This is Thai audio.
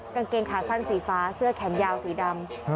กางเกงขาสั้นสีฟ้าเสื้อแขนยาวสีดำ